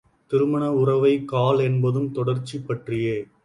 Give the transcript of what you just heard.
திருமணவுறவைக் கால் என்பதும் தொடர்ச்சி பற்றியே.